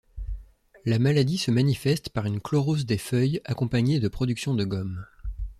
La maladie se manifeste par une chlorose des feuilles accompagnée de production de gomme.